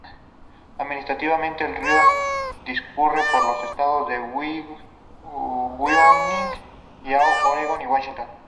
Administrativamente, el río discurre por los estados de Wyoming, Idaho, Oregón y Washington.